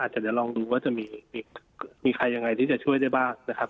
อาจจะลองดูว่าจะมีใครอย่างไรที่จะช่วยได้บ้างนะครับ